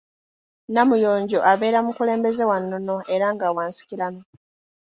Namuyonjo abeera mukulembeze wa nnono era nga wa nsikirano.